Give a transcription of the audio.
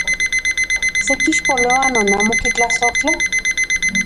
¿Se kixpoloa non amo kitlasojtla?